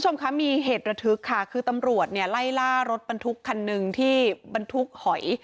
มีเหตุระทึกค่ะคือตำรวจไล่ล่ารถบรรทุกคันนึงที่บรรทุกหอย